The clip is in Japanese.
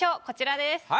こちらです。